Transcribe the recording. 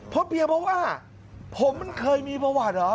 เพราะเพียบว่าผมเคยมีประวัติหรอ